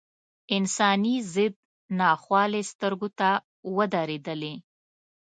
انساني ضد ناخوالې سترګو ته ودرېدلې.